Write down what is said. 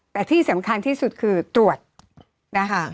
แต่ที่สำคัญที่สุดคือตรวจนะคะ